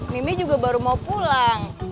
mimi juga baru mau pulang